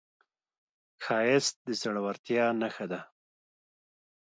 ښایست د زړورتیا نښه ده